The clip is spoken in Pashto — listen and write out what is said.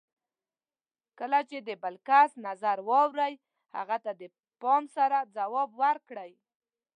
کله چې د بل کس نظر واورئ، هغه ته د پام سره ځواب ورکړئ.